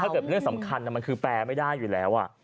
เกิดเรื่องสำคัญมันคือแปลไม่ได้อยู่แล้ว